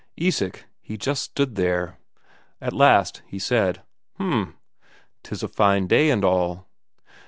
Isak, he just stood there; at last he said: "H'm. 'Tis a fine day and all."